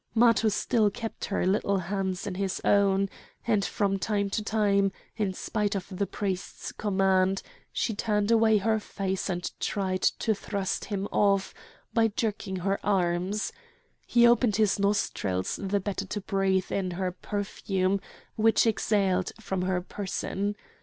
Matho still kept her little hands in his own; and from time to time, in spite of the priest's command, she turned away her face and tried to thrust him off by jerking her arms. He opened his nostrils the better to breathe in the perfume which exhaled from her person.